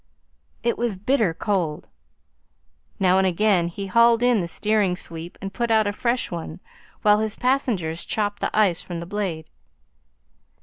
It was bitter cold. Now and again he hauled in the steering sweep and put out a fresh one while his passengers chopped the ice from the blade.